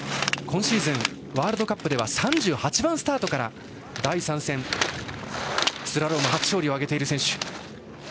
今シーズン、ワールドカップでは３８番スタートから第３戦、スラローム初勝利を挙げている選手。